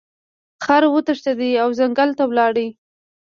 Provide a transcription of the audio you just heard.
خر وتښتید او ځنګل ته لاړ.